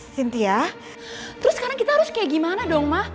sintia terus sekarang kita harus kayak gimana dong ma